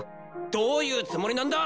どういうつもりなんだ！？